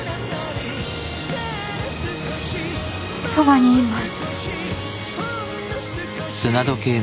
そばにいます。